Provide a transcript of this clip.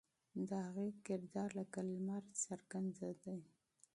د هغې کردار لکه لمر څرګندېده.